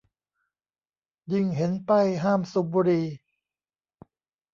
ยิ่งเห็นป้ายห้ามสูบบุหรี่